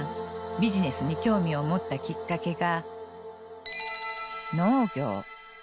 ビジネスに興味を持ったきっかけが。